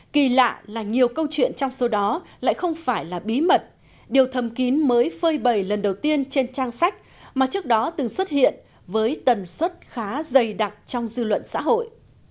kỳ lạ là nhiều câu chuyện trong số đó lại không phải là bí mật điều mới phơi bầy lần đầu tiên trên trang sách mà trước đó từng xuất hiện với tần suất khá dày đặc trong dư luận xã hội